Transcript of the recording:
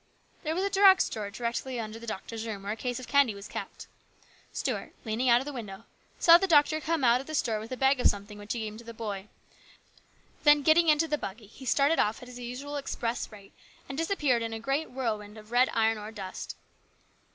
There was a drug store directly under the doctor's room, where a case of candy was kept. Stuart, leaning out of the window, saw the doctor come out 52 HIS BROTHER'S KEEPER. of the store with a bag of something which he gave to the boy, then getting into the buggy he started off at his usual express rate, and disappeared in a great whirlwind of red iron ore dust.